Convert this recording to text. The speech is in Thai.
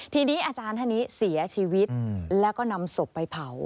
ทีนี้อาจารย์ท่านนี้เสียชีวิตแล้วก็นำศพไปเผา